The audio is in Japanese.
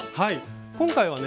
今回はね